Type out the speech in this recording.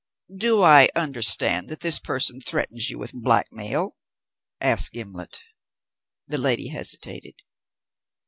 "Do I understand that this person threatens you with blackmail?" asked Gimblet. The lady hesitated.